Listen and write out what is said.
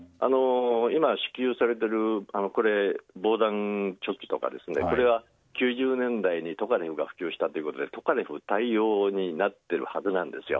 今、支給されている防弾チョッキとかこれは９０年代にトカレフが普及したということでトカレフ対応になっているはずなんですよ。